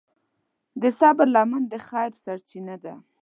د صبر لمن د خیر سرچینه ده.